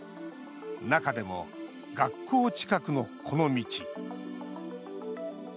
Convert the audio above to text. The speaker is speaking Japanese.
中でも、学校近くのこの道。